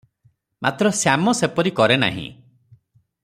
ମାତ୍ର ଶ୍ୟାମ ସେପରି କରେ ନାହିଁ ।